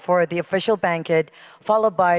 untuk perjalanan terakhir